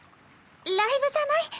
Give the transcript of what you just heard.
ライブじゃない？